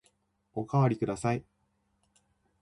おかわりください。